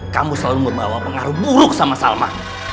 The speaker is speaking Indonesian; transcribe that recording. kamu selalu membawa pengaruh buruk sama salma